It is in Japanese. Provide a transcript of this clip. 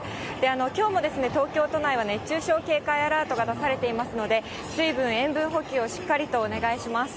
きょうも東京都内は熱中症警戒アラートが出されていますので、水分、塩分補給をしっかりとお願いします。